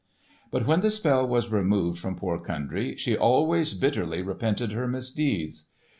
But when the spell was removed from poor Kundry she always bitterly repented her misdeeds.